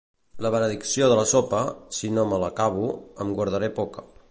La benedicció de la sopa, si no me l'acabo, en guardaré poca.